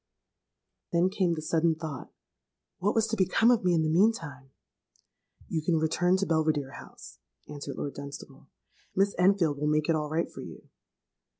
"Then came the sudden thought, 'What was to become of me in the meantime?'—'You can return to Belvidere House,' answered Lord Dunstable: 'Miss Enfield will make it all right for you.'